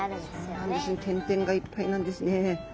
そうなんですね点々がいっぱいなんですね。